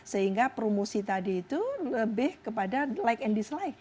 sehingga promosi tadi itu lebih kepada like and dislike